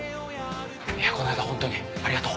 この間はホントにありがとう。